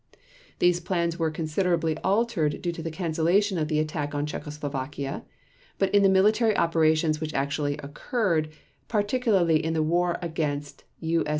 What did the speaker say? These plans were considerably altered due to the cancellation of the attack on Czechoslovakia, but in the military operations which actually occurred, particularly in the war against U.